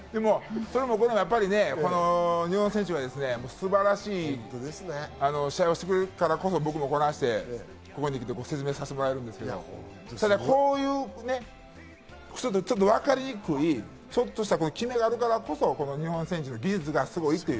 日本人選手は素晴らしい試合をしてくれるからこそ、僕もこないして説明させてもらえるんですけど、ちょっとわかりにくい、ちょっとした決めがあるからこそ日本人選手の技が生きている。